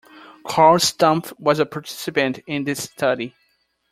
Carl Stumpf was a participant in this study.